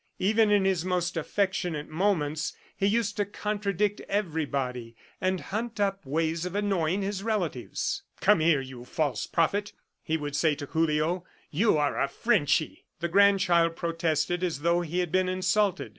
Even in his most affectionate moments, he used to contradict everybody, and hunt up ways of annoying his relatives. "Come here, you false prophet," he would say to Julio. "You are a Frenchy." The grandchild protested as though he had been insulted.